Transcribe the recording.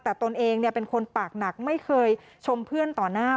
แต่ตนเองเป็นคนปากหนักไม่เคยชมเพื่อนต่อหน้า